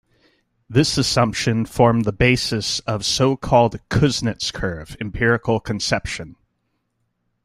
This assumption formed the basis of so-called "Kuznets curve" empirical conception.